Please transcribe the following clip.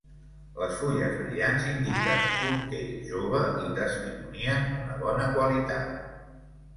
Les fulles brillants indiquen un te jove i testimonien una bona qualitat.